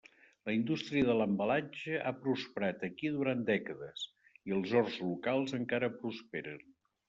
La indústria de l'embalatge ha prosperat aquí durant dècades, i els horts locals encara prosperen.